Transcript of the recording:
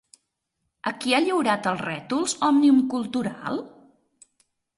A qui ha lliurat els rètols Òmnium Cultural?